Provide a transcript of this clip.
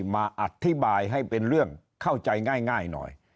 มาอธิบายให้เป็นเรื่องเข้าใจง่ายหน่อย